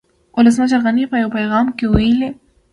ولسمشر غني په يو پيغام کې ويلي